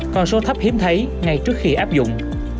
con số thấp hiếm thấy ngay trước khi áp dụng